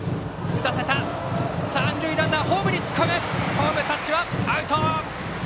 ホーム、タッチはアウト。